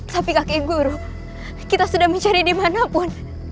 tapi kakek guru kita sudah mencari dimanapun